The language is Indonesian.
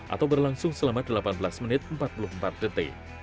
atau berlangsung selama delapan belas menit